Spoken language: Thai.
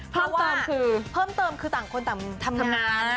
เพราะว่าเพิ่มเติมคือต่างคนและต่างคนซึ่งทำงาน